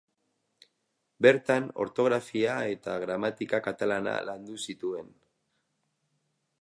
Bertan ortografia eta gramatika katalana landu zituen.